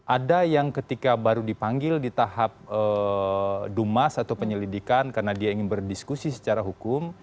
ada yang ketika baru dipanggil di tahap dumas atau penyelidikan karena dia ingin berdiskusi secara hukum